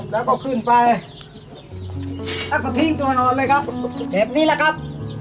แล้วก็ขึ้นไปแล้วก็ทิ้งตัวนอนเลยครับเจ็บนี้แหละครับ